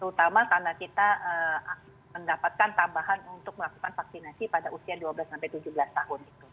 terutama karena kita mendapatkan tambahan untuk melakukan vaksinasi pada usia dua belas sampai tujuh belas tahun